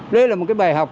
đây là một cái bài học